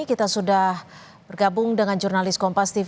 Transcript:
kita sudah bergabung dengan jurnalis kompas tv cindy perwad